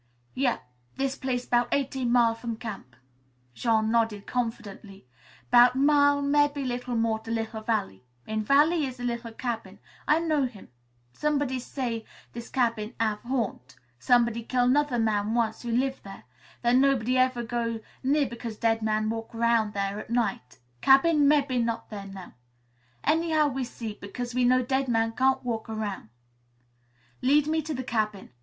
"Yep; this place 'bout eighteen mile from camp," Jean nodded confidently. "'Bout mile mebbe little more to little valley. In valley is the little cabin. I know him. Somebody say this cabin hav' haunt. Somebody kill 'nother man once who liv' there. Then nobody ever go near because dead man walk aroun' there at night. Cabin mebbe not there now. Anyhow we see, because we know dead man can't walk aroun'." "Lead me to the cabin.